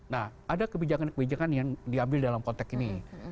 nah ada kebijakan kebijakan yang diambil dalam konteks ini